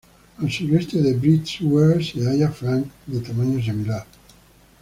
Al sureste de Brewster se halla Franck, de tamaño similar.